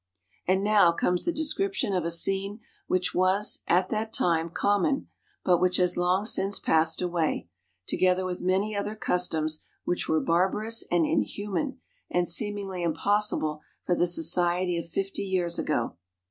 And now comes the description of a scene which was, at that time, common; but which has long since passed away, together with many other customs which were barbarous and inhuman, and seem ingly impossible for the society of fifty years ago.